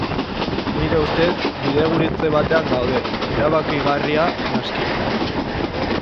Nire ustez, bidegurutze batean gaude, erabakigarria naski.